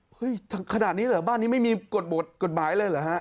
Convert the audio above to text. ขนาดนี้เหรอบ้านนี้ไม่มีกฎบทกฎหมายเลยเหรอฮะ